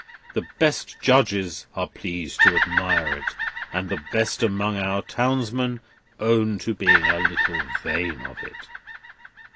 The best judges are pleased to admire it, and the best among our townsmen own to being a little vain of it."